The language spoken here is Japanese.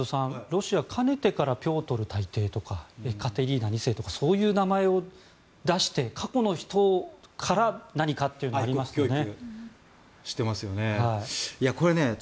ロシア、かねてからピョートル大帝とかエカテリーナ２世とかそういう名前を出して過去の人から何かというのがありますよね。